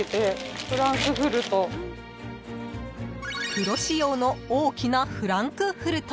［プロ仕様の大きなフランクフルト］